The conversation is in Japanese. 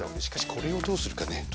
しかしこれをどうするかね。